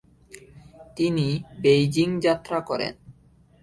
তিনি বেইজিং যাত্রা করেন।